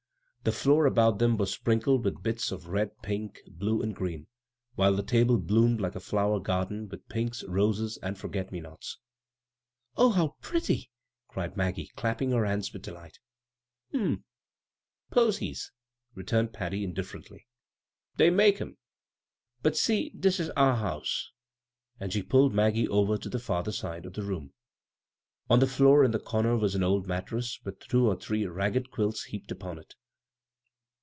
The floor about them was crinkled with bits of red, pink, bvGoog[c CROSS CURRENTS blue, and green, while the table bloomed like a flower garden with pinks, roses, and for get me nots. " Oh, how pretty I " cried Maggie, clapping her bands with delight. " Hm m ; posies," returned Patty, indlfier ently. "Dey makes 'em. But, see, dis is our house 1 " And she pulled Maggie over to the farther side of the room. On the floor in the comer was an old mat tress with two or three ragged quilts heaped upon it.